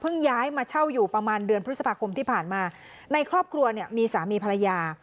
ย้ายมาเช่าอยู่ประมาณเดือนพฤษภาคมที่ผ่านมาในครอบครัวเนี่ยมีสามีภรรยา